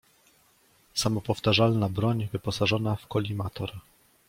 Samopowtarzalna broń wyposażona w kolimator.